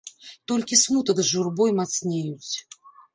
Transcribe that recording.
Толькі смутак з журбой мацнеюць.